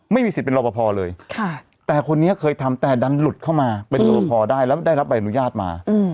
ไม่มีสิทธิ์เป็นรอปภเลยแต่คนนี้เคยทำแต่ดันหลุดเข้ามาเป็นรอปภได้แล้วได้รับใบอนุญาตมา